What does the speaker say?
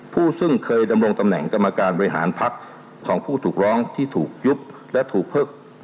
ผู้ซึ่งเคยดำรงตำแหน่งกรรมการบริหารพักของผู้ถูกร้องที่ถูกยุบและถูกเพิก